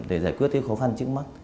để giải quyết khó khăn trước mắt